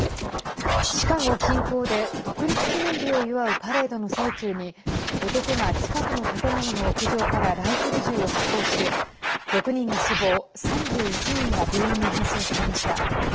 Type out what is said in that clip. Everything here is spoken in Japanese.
シカゴ近郊で独立記念日を祝うパレードの最中に男が近くの建物の屋上からライフル銃を発砲し６人が死亡３１人が病院に搬送されました。